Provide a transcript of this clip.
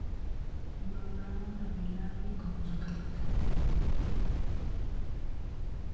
Nombraron a Bellamy como su capitán.